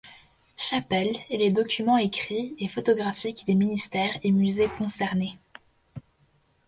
Chapelle, et les documents écrits et photographiques des ministères et musées concernés.